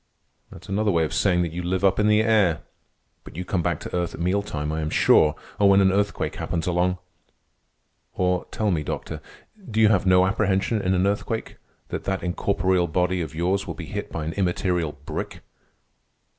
"That's another way of saying that you live up in the air. But you come back to earth at meal time, I am sure, or when an earthquake happens along. Or, tell me, Doctor, do you have no apprehension in an earthquake that that incorporeal body of yours will be hit by an immaterial brick?"